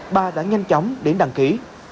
bà đã nhanh chóng đến đăng ký